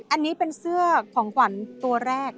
อันนี้เป็นเสื้อของขวัญตัวแรก